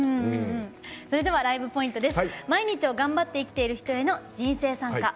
それではライブポイントです。